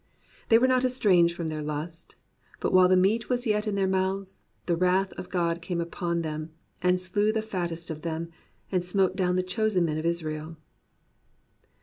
They were not estranged from their lust: But while the meat was yet in their mouths. The wrath of God came upon them, and slew the fattest of them. And smote down the chosen men of Israel.